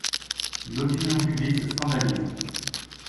L'opinion publique se scandalise.